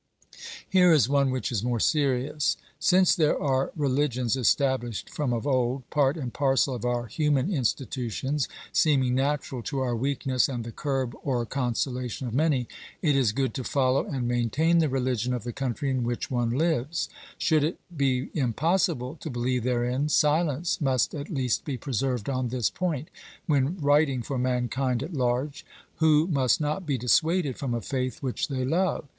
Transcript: Here is one which is more serious. Since there are religions estabhshed from of old, part and parcel of our human institutions, seeming natural to our weakness and the curb or consolation of many, it is good to follow and maintain the religion of the country in which one lives ; should it be impossible to believe therein, silence must at least be preserved on this point, when writing for mankind at large, who must not be dissuaded from a faith which they love.